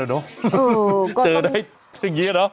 เจอได้อย่างนี้เนอะ